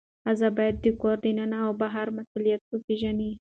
ښځه باید د کور دننه او بهر مسئولیت وپیژني.